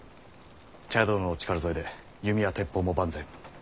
茶屋殿のお力添えで弓や鉄砲も万全。